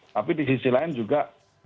tapi di sisi lain juga